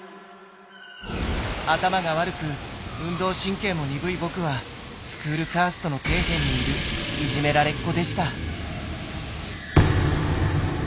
頭が悪く運動神経も鈍い僕はスクールカーストの底辺にいるいじめられっ子でした。